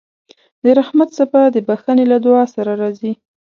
د رحمت څپه د بښنې له دعا سره راځي.